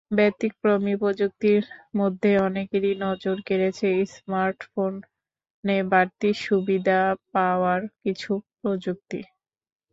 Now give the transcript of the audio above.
ব্যতিক্রমী প্রযুক্তির মধ্যে অনেকেরই নজর কেড়েছে স্মার্টফোনে বাড়তি সুবিধা পাওয়ার কিছু প্রযুক্তি।